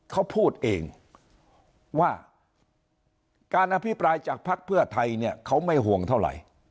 เขาพูดเองว่าการอภิปรายจากภักดิ์เพื่อไทยเนี่ยเขาไม่ห่วงเท่าไหร่